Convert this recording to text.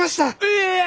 ええ！